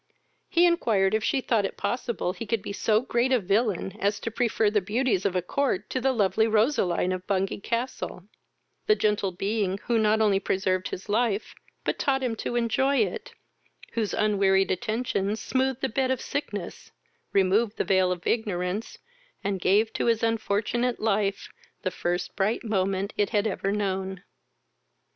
He inquired if she thought it possible he could be so great a villain as to prefer the beauties of a court to the lovely Roseline of Bungay castle, the gentle being who not only preserved his life, but taught him to enjoy it, whose unwearied attentions smoothed the bed of sickness, removed the veil of ignorance, and gave to his unfortunate life the first bright moment it had ever known.